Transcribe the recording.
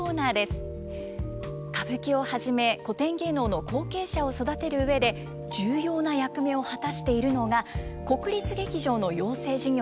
歌舞伎をはじめ古典芸能の後継者を育てる上で重要な役目を果たしているのが国立劇場の養成事業です。